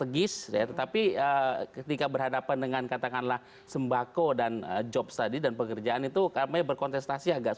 kalau kita untuk menyerah kita perlu memastikan koneksi koneksi yaitu biayanya usaha